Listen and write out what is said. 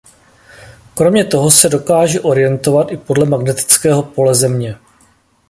Kromě toho se dokáže orientovat i podle magnetického pole Země.